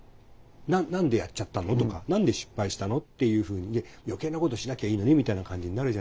「何でやっちゃったの？」とか「何で失敗したの？」っていうふうにね余計なことしなきゃいいのにみたいな感じになるじゃないですか。